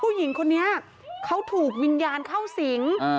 ผู้หญิงคนนี้เขาถูกวิญญาณเข้าสิง